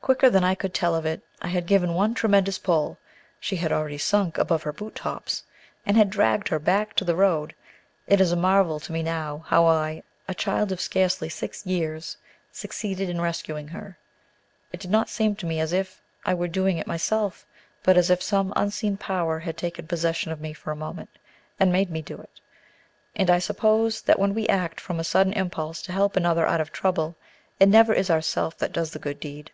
Quicker than I could tell of it, I had given one tremendous pull (she had already sunk above her boot tops), and had dragged her back to the road. It is a marvel to me now how I a child of scarcely six years succeeded in rescuing her. It did not seem to me as if I were doing it myself, but as if some unseen Power had taken possession of me for a moment, and made me do it. And I suppose that when we act from a sudden impulse to help another out of trouble, it never is ourself that does the good deed.